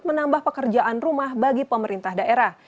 menambah pekerjaan rumah bagi pemerintah daerah